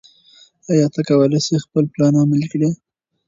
ایا ته کولی شې خپل پلان عملي کړې؟